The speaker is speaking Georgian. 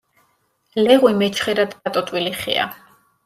ლეღვი მეჩხერად დატოტვილი ხეა.